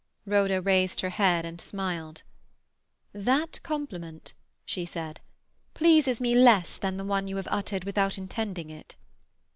Rhoda raised her head and smiled. "That compliment," she said, "pleases me less than the one you have uttered without intending it."